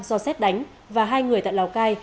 do xét đánh và hai người tại lào cai